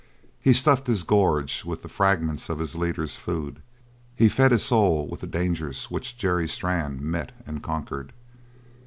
He stuffed his gorge with the fragments of his leader's food; he fed his soul with the dangers which Jerry Strann met and conquered.